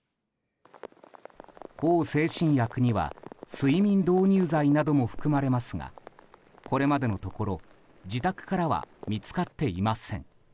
向精神薬には睡眠導入剤なども含まれますがこれまでのところ自宅からは見つかっていません。